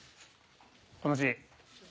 この字。